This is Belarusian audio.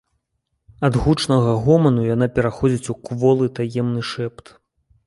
Ад гучнага гоману яна пераходзіць у кволы таемны шэпт.